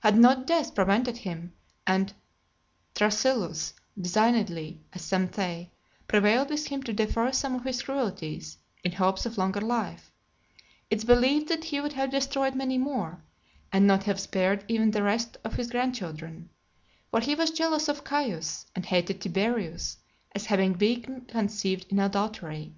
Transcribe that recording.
Had not death prevented him, and Thrasyllus, designedly, as some say, prevailed with him to defer some of his cruelties, in hopes of longer life, it is believed that he would have destroyed many more: and not have spared even the rest of his grandchildren: for he was jealous of Caius, and hated Tiberius as having been conceived in adultery.